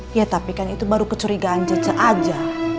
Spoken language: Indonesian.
cucu ya tapi kan itu baru kecurigaan cece aja